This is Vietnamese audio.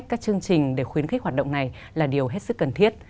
các chương trình để khuyến khích hoạt động này là điều hết sức cần thiết